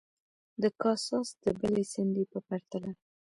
د کاساس د بلې څنډې په پرتله.